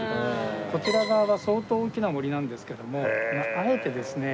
こちら側は相当大きな森なんですけどもあえてですね